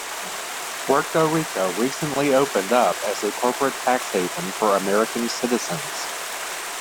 Puerto Rico recently opened up as a corporate tax haven for American citizens.